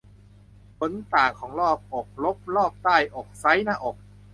ผลต่างของรอบอก ลบ รอบใต้อก ไซซ์หน้าอก